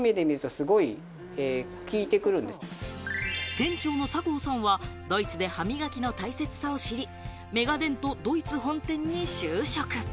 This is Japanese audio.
店長の酒向さんはドイツで歯磨きの大切さを知り、Ｍｅｇａｄｅｎｔドイツ本店に就職。